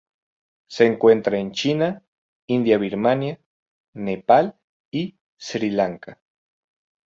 Se encuentra en China, India Birmania, Nepal y Sri Lanka.